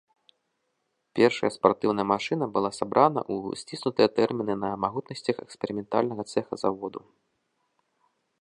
Першая спартыўная машына была сабрана ў сціснутыя тэрміны на магутнасцях эксперыментальнага цэха заводу.